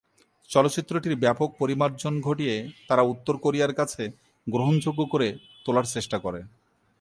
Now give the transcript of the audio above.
চলচ্চিত্রটির ব্যাপক পরিমার্জন ঘটিয়ে তারা উত্তর কোরিয়ার কাছে গ্রহণযোগ্য করে তোলার চেষ্টা করে।